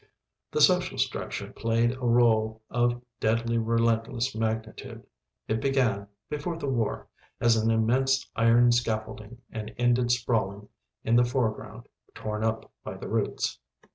The social structure played a rôle of deadly relentless magnitude. It began (before the War) as an immense iron scaffolding and ended sprawling in the foreground, torn up by the roots.